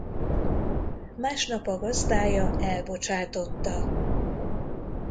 Másnap a gazdája elbocsátotta.